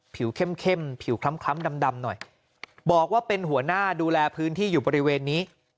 เข้มเข้มผิวคล้ำดำหน่อยบอกว่าเป็นหัวหน้าดูแลพื้นที่อยู่บริเวณนี้